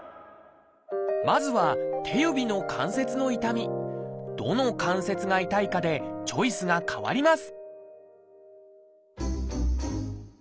まずはどの関節が痛いかでチョイスが変わります